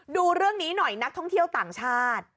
ดูเรื่องนี้หน่อยนักท่องเที่ยวต่างชาติ